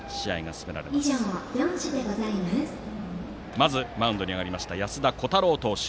まずマウンドに上がりました安田虎汰郎投手。